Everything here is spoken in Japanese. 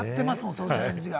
そのチャレンジが。